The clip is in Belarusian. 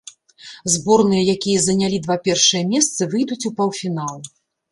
Зборныя, якія занялі два першыя месцы, выйдуць у паўфінал.